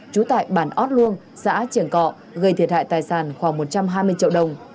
trú tại bản ót luông xã triển cọ gây thiệt hại tài sản khoảng một trăm hai mươi triệu đồng